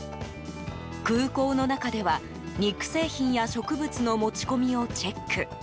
空港の中では肉製品や食物の持ち込みをチェック。